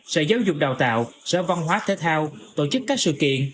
sở giáo dục đào tạo sở văn hóa thế thao tổ chức các sự kiện